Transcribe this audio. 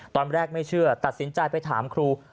ตอนแรกไม่เชื่อตัดสินใจไปถามครู